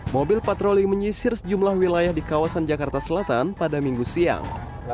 mobil patroli menyisir sejumlah wilayah di kawasan jakarta selatan pada minggu siang